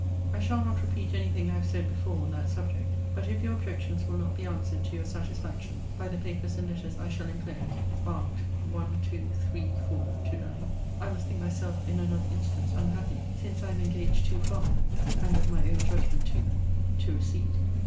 I shall not repeat any thing I have said before on that subject: but if your objections will not be answered to your satisfaction by the papers and letters I shall enclose, marked 1, 2, 3, 4, to 9, I must think myself in another instance unhappy; since I am engaged too far (and with my own judgment too) to recede.